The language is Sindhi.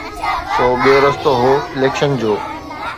سو ٻيو رستو هو اليڪشن جو.